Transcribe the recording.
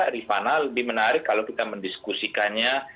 rifana lebih menarik kalau kita mendiskusikannya